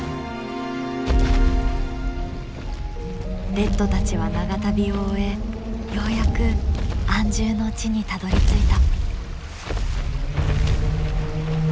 レッドたちは長旅を終えようやく安住の地にたどりついた。